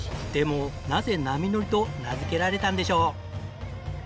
でもなぜ「波乗り」と名付けられたんでしょう？